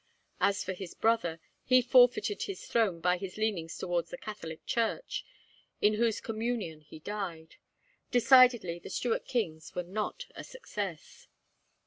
As for his brother, he forfeited his throne by his leanings towards the Catholic Church, in whose communion he died. Decidedly, the Stuart kings were not a success.